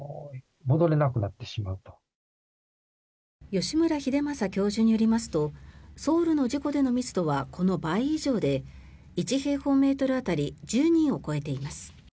吉村英祐教授によりますとソウルの事故での密度はこの倍以上で１平方メートル当たり１０人を超えています。